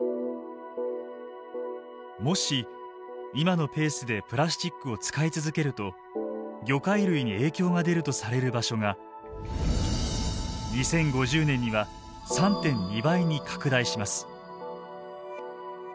もし今のペースでプラスチックを使い続けると魚介類に影響が出るとされる場所が２０５０年には３．２倍に拡大します。